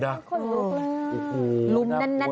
โอ้โฮน่ากลัวน่ากลัว